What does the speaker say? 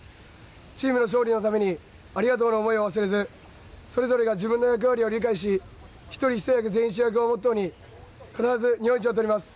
チームの勝利のために「ありがとう」の思いを忘れずそれぞれが自分の役割を理解し一人一役、全員主役をモットーに必ず日本一をとります。